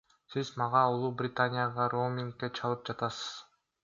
Сиз мага Улуу Британияга роумингге чалып жатасыз.